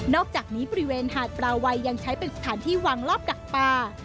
อกจากนี้บริเวณหาดปลาวัยยังใช้เป็นสถานที่วางรอบกักปลา